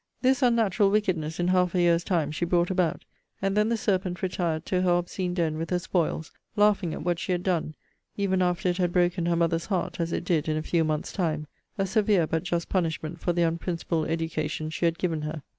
This unnatural wickedness, in half a year's time, she brought about; and then the serpent retired to her obscene den with her spoils, laughing at what she had done; even after it had broken her mother's heart, as it did in a few months' time: a severe, but just punishment for the unprincipled education she had given her.